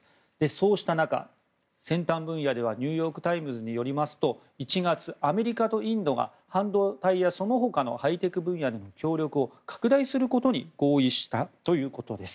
そうした中、先端分野ではニューヨーク・タイムズによりますと１月、アメリカとインドが半導体や、そのほかのハイテク分野での協力を拡大することに合意したということです。